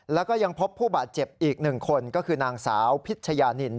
แล้วก็ยังพบผู้บาดเจ็บอีก๑คนก็คือนางสาวพิชยานิน